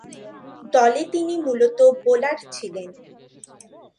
দলে তিনি মূলতঃ বোলার ছিলেন।